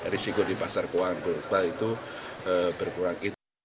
risiko di pasar keuangan global itu berkurang